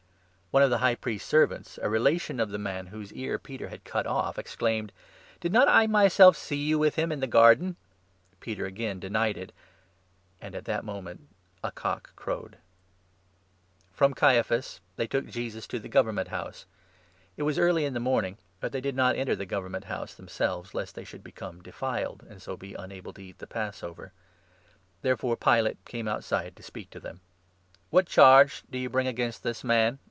One of the High Priest's servants, a relation of the man whose 26 ear Peter had cut off, exclaimed :" Did not I myself see you with him in the garden ?" Peter again denied it ; and at that moment a cock crowed. 27 .. From Caiaphas they took Jesus to the Govern 28 Jesus DOToro __ r ._ i«i • T » the Roman ment House. It was early in the morning. But Governor, they did not enter the Government House them selves, lest they should become 'defiled,' and so be unable to eat the Passover. Therefore Pilate came outside to speak to them. 29 "What charge do you bring against this man